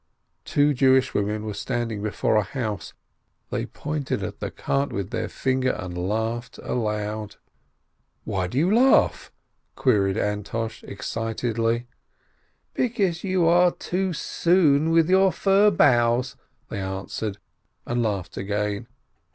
Two Jewish women were standing before a house; they pointed at the cart with their finger, and laughed aloud. "Why do you laugh ?" queried Antosh, excitedly. "Because you are too soon with your fir boughs," they answered, and laughed again.